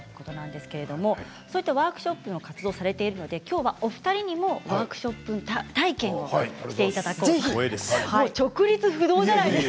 そういったワークショップの活動をされているのできょうはお二人にもワークショップ体験をしていただこうと思います。